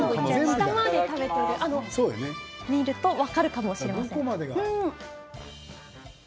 下まで食べてみると分かるかもしれません。